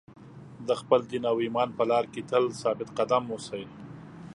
د خپل دین او ایمان په لار کې تل ثابت قدم اوسئ.